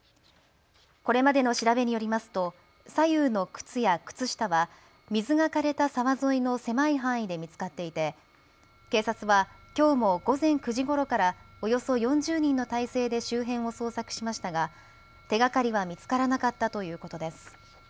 これまでの調べによりますと左右の靴や靴下は水がかれた沢沿いの狭い範囲で見つかっていて警察はきょうも午前９時ごろからおよそ４０人の態勢で周辺を捜索しましたが手がかりは見つからなかったということです。